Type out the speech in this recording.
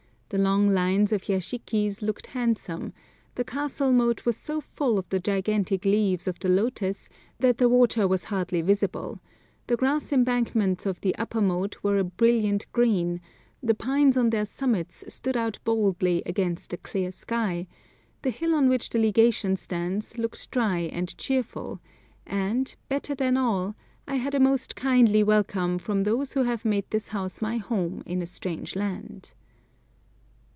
The long lines of yashikis looked handsome, the castle moat was so full of the gigantic leaves of the lotus, that the water was hardly visible, the grass embankments of the upper moat were a brilliant green, the pines on their summits stood out boldly against the clear sky, the hill on which the Legation stands looked dry and cheerful, and, better than all, I had a most kindly welcome from those who have made this house my home in a strange land.